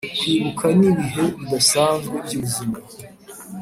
kwibuka nibihe bidasanzwe byubuzima